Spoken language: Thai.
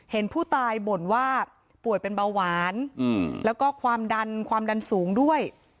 เห็นผู้ตายบ่นว่าป่วยเป็นเบาหวานแล้วก็ความดันความดันสูงด้วย